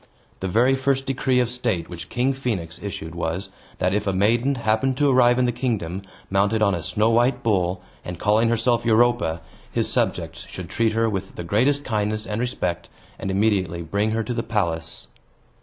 The very first decree of state which King Phoenix issued was, that, if a maiden happened to arrive in the kingdom, mounted on a snow white bull, and calling herself Europa, his subjects should treat her with the greatest kindness and respect, and immediately bring her to the palace.